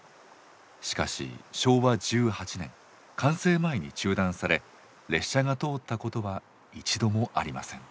しかし昭和１８年完成前に中断され列車が通ったことは一度もありません。